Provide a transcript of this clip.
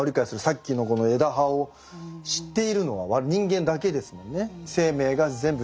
さっきのこの枝葉を知っているのは人間だけですもんね。